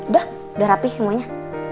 udah udah rapih semuanya